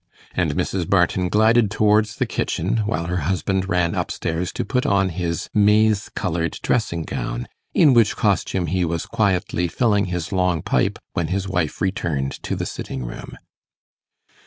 And Mrs. Barton glided towards the kitchen, while her husband ran up stairs to put on his maize coloured dressing gown, in which costume he was quietly filling his long pipe when his wife returned to the sitting room.